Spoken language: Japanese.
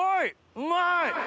うまい！